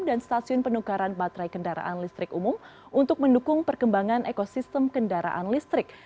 dan stasiun penukaran baterai kendaraan listrik umum untuk mendukung perkembangan ekosistem kendaraan listrik